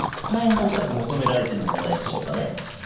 この辺が恐らく求められてるんじゃないでしょうかね。